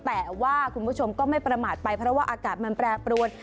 แต่ว่าคุณผู้ชมก็ไม่ประมาทไปเพราะว่าอากาศมันแปรปรวน